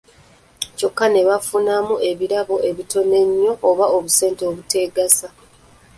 Kyokka ne bafunamu ebirabo ebitono ennyo, oba obusente obuteegasa.